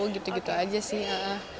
gitu gitu aja sih